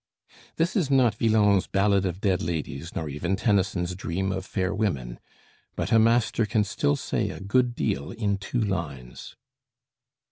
This is not Villon's 'Ballad of Dead Ladies,' nor even Tennyson's 'Dream of Fair Women'; but a master can still say a good deal in two lines.